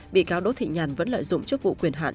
bị cáo đỗ thị nhàn vẫn lợi dụng chức vụ quyền hạn